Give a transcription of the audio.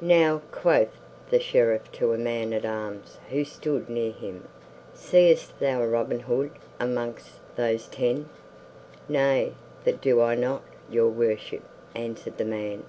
"Now," quoth the Sheriff to a man at arms who stood near him, "seest thou Robin Hood among those ten?" "Nay, that do I not, Your Worship," answered the man.